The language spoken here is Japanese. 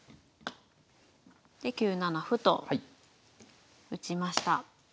で９七歩と打ちました。